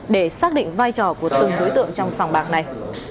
để xác định vai trò của từng đối tượng trong sòng bạc này